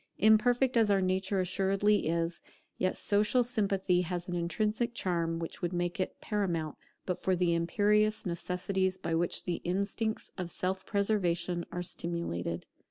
Imperfect as our nature assuredly is, yet social sympathy has an intrinsic charm which would make it paramount, but for the imperious necessities by which the instincts of self preservation are stimulated.